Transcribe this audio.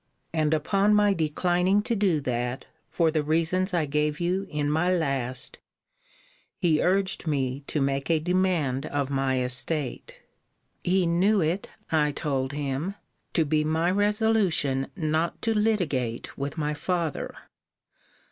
And upon my declining to do that, for the reasons I gave you in my last,* he urged me to make a demand of my estate. * See Letter XXVIII. of this volume. He knew it, I told him, to be my resolution not to litigate with my father.